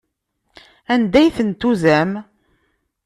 Anda ay tent-tuzam?